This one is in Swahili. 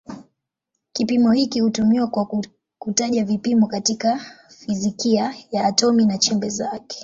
Kipimo hiki hutumiwa kwa kutaja vipimo katika fizikia ya atomi na chembe zake.